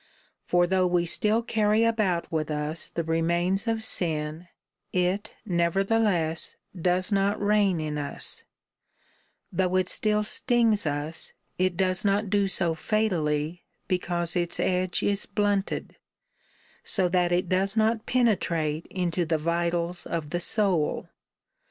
For though we still carry about witli us the remains of sin, it, nevertheless, does not reign in us : though it still stints us, it does not do so fatally, because its edge is blunted, so that it does not penetrate into the vitals of the soul.